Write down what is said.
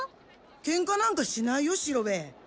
ケンカなんかしないよ四郎兵衛。